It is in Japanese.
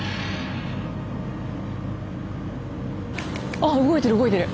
あ動いてる動いてる。